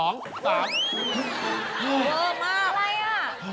เงินเกินมากอะไรน่ะ